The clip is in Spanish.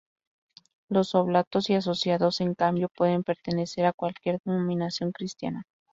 Los oblatos y asociados, en cambio, pueden pertenecer a cualquier denominación cristiana.